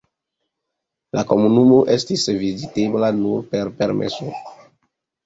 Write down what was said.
La komunumo estis vizitebla nur per permeso.